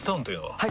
はい！